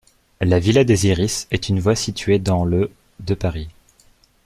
La villa des Iris est une voie située dans le de Paris.